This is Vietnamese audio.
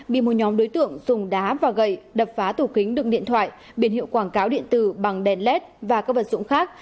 bị một nhóm đối tượng dùng đá và gậy đập phá tủ kính đựng điện thoại biển hiệu quảng cáo điện tử bằng đèn led và các vật dụng khác